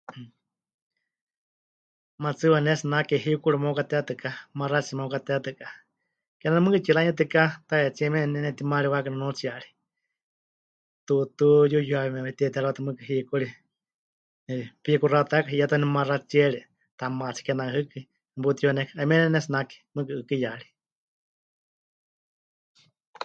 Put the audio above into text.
Matsɨɨwa pɨnetsinake hikuri meukatetɨka, maxátsi meukatetɨka, kename mɨɨkɨ tsiranuyɨtɨká tahetsíe mieme ne nepɨtimaariwakai nunuutsiyari, tuutú yuyuawime mete'iterɨwátɨ mɨɨkɨ hikuri, 'eh, pɨyukuxatakai, 'iyá ta waaníu maxa tsiere tamaatsi kename hɨɨkɨ meputiyuanékai, 'ayumíe ne pɨnetsinake mɨɨkɨ 'ɨkiyari.